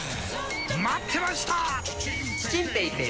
待ってました！